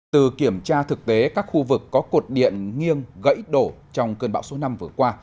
từ kiểm tra thực tế các khu vực có cột điện nghiêng gãy đổ trong cơn bão số năm vừa qua